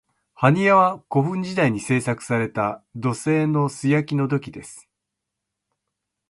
埴輪は、古墳時代に製作された土製の素焼きの土器です。